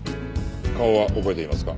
顔は覚えていますか？